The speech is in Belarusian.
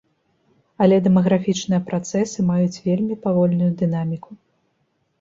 Але дэмаграфічныя працэсы маюць вельмі павольную дынаміку.